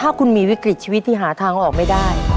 ถ้าคุณมีวิกฤตชีวิตที่หาทางออกไม่ได้